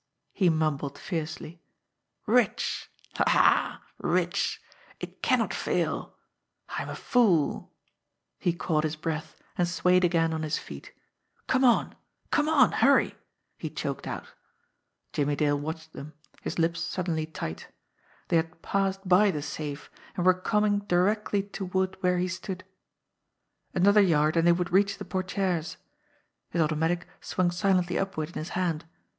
he mumbled fiercely. "Rich ha, ha! rich! It cannot fail; I am a fool" he caught his breath, and swayed again on his feet. "Come on ! Come on ! Hurry !" he choked out. Jimmie Dale watched them, his lips suddenly tight. They had passed by the safe, and were coming directly toward 26 JIMMIE DALE AND THE PHANTOM CLUE where he stood. Another yard and they would reach the por tieres. His automatic swung silently upward in his hand.